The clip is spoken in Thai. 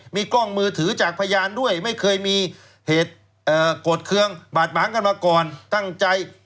ไม่เคยมีเหตุกรดเครื่องบาดบางกันมาก่อนทั่งใจ